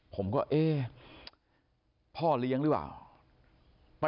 ผมก็เอ๊ะพ่อเลี้ยงหรือเปล่า